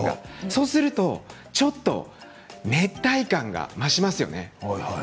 そうすると、ちょっと熱帯感が増しますよね。